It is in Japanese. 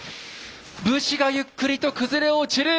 武士がゆっくりと崩れ落ちる。